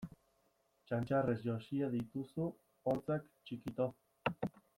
Txantxarrez josia dituzu hortzak txikito!